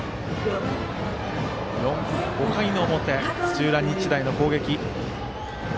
５回の表、土浦日大の攻撃。